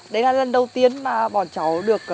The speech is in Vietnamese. đấy là lần đầu tiên mà bọn cháu được